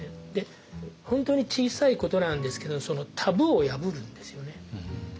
本当に小さいことなんですけどタブーを破るんですよね。